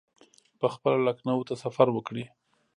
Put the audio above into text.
پخپله لکنهو ته سفر وکړي.